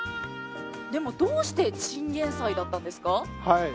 でもどうしてチンゲンサイだったんですか？